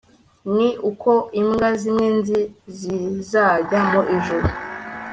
ni uko imbwa zimwe nzi zizajya mu ijuru